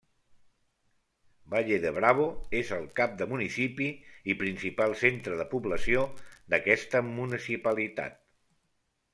Valle de Bravo és el cap de municipi i principal centre de població d'aquesta municipalitat.